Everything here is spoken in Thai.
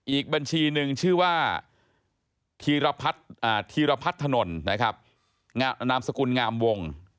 อีกบัญชีนึงชื่อว่าธีรพัฒน์ถนนนามสกุลงามวง